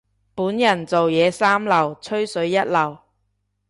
本人做嘢三流，吹水一流。